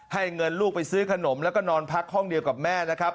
เงินลูกไปซื้อขนมแล้วก็นอนพักห้องเดียวกับแม่นะครับ